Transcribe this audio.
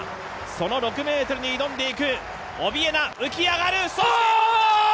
その６ｍに挑んでいく、オビエナ、浮き上がる。